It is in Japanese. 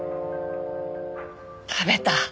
食べた。